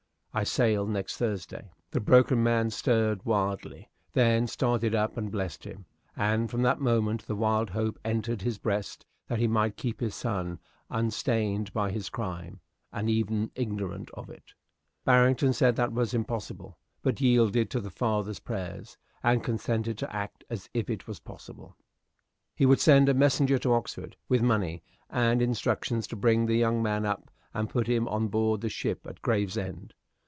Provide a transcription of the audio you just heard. I sail next Thursday." The broken man stared wildly; then started up and blessed him; and from that moment the wild hope entered his breast that he might keep his son unstained by his crime, and even ignorant of it. Barrington said that was impossible; but yielded to the father's prayers, and consented to act as if it was possible. He would send a messenger to Oxford, with money and instructions to bring the young man up and put him on board the ship at Gravesend.